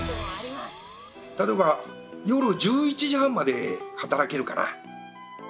例えば夜１１時半まで働けるかな？